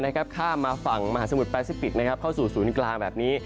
ข้ามมาฝั่งมหาสมุทรแปซิฟิกเข้าสู่ศูนย์กลางแบบนี้